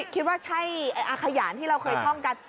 คิดว่าใช่อาขยานที่เราเคยท่องกัน